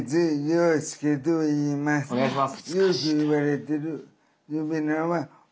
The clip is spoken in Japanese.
お願いします。